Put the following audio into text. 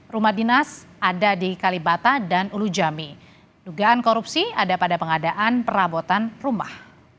rumah dinas ada di kalibata dan ulu jami dugaan korupsi ada pada pengadaan perabotan rumah